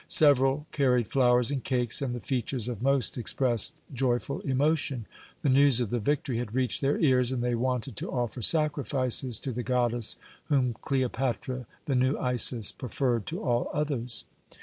Several carried flowers and cakes, and the features of most expressed joyful emotion. The news of the victory had reached their ears, and they wanted to offer sacrifices to the goddess whom Cleopatra, "the new Isis," preferred to all others.